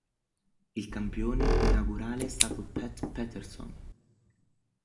Il campione inaugurale è stato Pat Patterson.